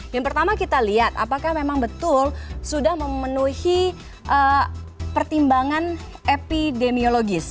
yang pertama kita lihat apakah memang betul sudah memenuhi pertimbangan epidemiologis